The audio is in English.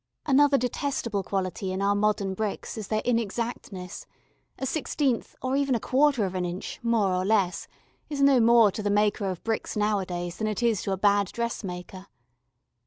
Another detestable quality in our modern bricks is their inexactness a sixteenth or even a quarter of an inch, more or less, is no more to the maker of bricks nowadays than it is to a bad dressmaker.